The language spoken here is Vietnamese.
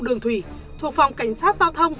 đường thủy thuộc phòng cảnh sát giao thông